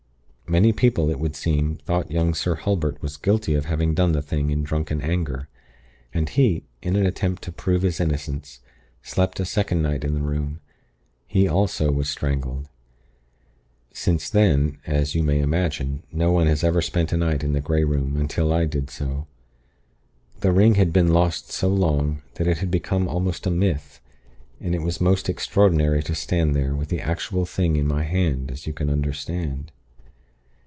Many people, it would seem, thought young Sir Hulbert was guilty of having done the thing in drunken anger; and he, in an attempt to prove his innocence, slept a second night in the room. He also was strangled. Since then, as you may imagine, no one has ever spent a night in the Grey Room, until I did so. The ring had been lost so long, that it had become almost a myth; and it was most extraordinary to stand there, with the actual thing in my hand, as you can understand.